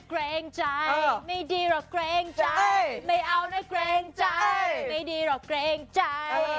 เอาเนอะเกรงใจแบบไม่ดีเหรอเกรงใจ